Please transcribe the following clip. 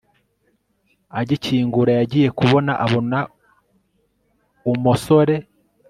agikingura yagiye kubona abona umosore